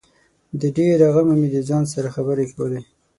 د ډېره غمه مې د ځان سره خبري کولې